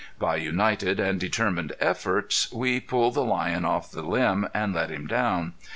By united and determined efforts we pulled the lion off the limb and let him down.